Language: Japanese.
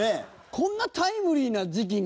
こんなタイムリーな時期に。